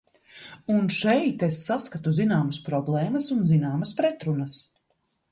Un šeit es saskatu zināmas problēmas un zināmas pretrunas.